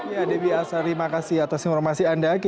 ya debbie asar terima kasih atas informasi anda